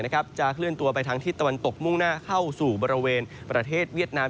จะเคลื่อนตัวไปทางทิศตะวันตกมุ่งหน้าเข้าสู่บริเวณประเทศเวียดนาม